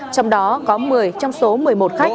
trong đó có một mươi trong số một mươi một khách